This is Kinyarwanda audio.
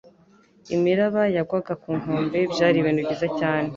Imiraba yagwaga ku nkombe; byari ibintu byiza cyane.